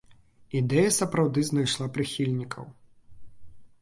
Ідэя сапраўды знайшла прыхільнікаў.